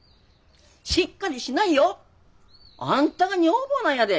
しっかりしないよ！あんたが女房なんやで。